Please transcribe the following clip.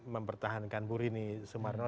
mempertahankan bu rini sumarno